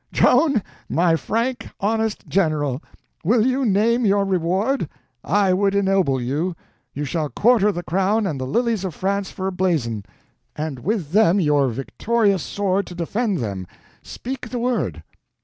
"Joan, my frank, honest General, will you name your reward? I would ennoble you. You shall quarter the crown and the lilies of France for blazon, and with them your victorious sword to defend them—speak the word."